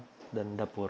jadi balkon depan ini